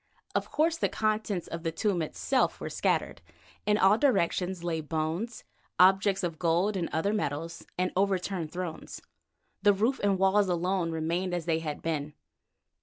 Of course the contents of the tomb itself were scattered. In all directions lay bones, objects of gold and other metals, or overturned thrones. The roof and walls alone remained as they had been.